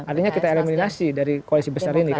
artinya kita eliminasi dari koalisi besar ini